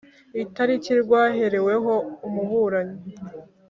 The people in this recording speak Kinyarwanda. itariki rwahereweho umuburanyi